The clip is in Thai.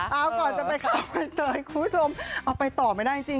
ก่อนจะไปข้อมูลให้คุณผู้ชมเอาไปต่อไม่ได้จริง